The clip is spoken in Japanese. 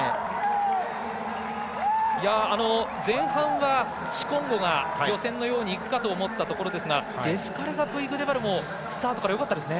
前半がシコンゴが予選のようにいくかと思いましたがデスカレガプイグデバルもスタートからよかったですね。